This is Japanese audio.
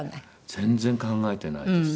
全然考えてないです。